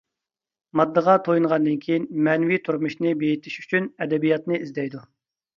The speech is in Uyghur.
ماددىغا تويۇنغاندىن كېيىن مەنىۋى تۇرمۇشىنى بېيىتىش ئۈچۈن ئەدەبىياتنى ئىزدەيدۇ.